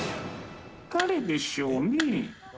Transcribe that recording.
誰でしょうね？